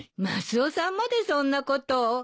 マスオさんまでそんなことを。